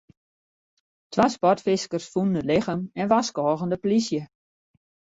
Twa sportfiskers fûnen it lichem en warskôgen de polysje.